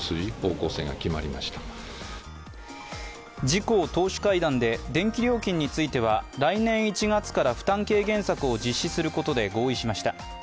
自公党首会談で電気料金については来年１月から負担軽減策を実施することで合意しました。